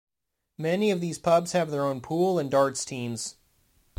Many of these pubs have their own Pool and Darts teams.